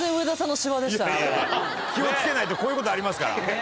気を付けないとこういうことありますから。